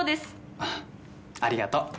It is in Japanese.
あっありがとう。